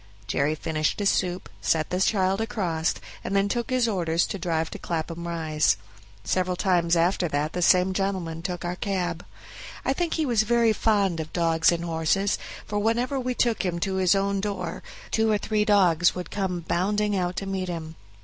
Jerry finished his soup, set the child across, and then took his orders to drive to Clapham Rise. Several times after that the same gentleman took our cab. I think he was very fond of dogs and horses, for whenever we took him to his own door two or three dogs would come bounding out to meet him.